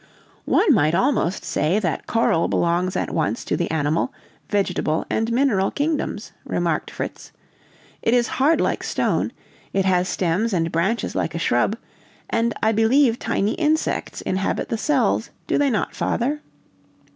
"One might almost say that coral belongs at once to the animal, vegetable, and mineral kingdoms," remarked Fritz; "it is hard like stone, it has stems and branches like a shrub, and I believe tiny insects inhabit the cells, do they not, father?"